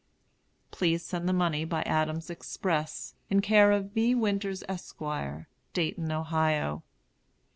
Please send the money by Adams's Express, in care of V. Winters, Esq., Dayton, Ohio.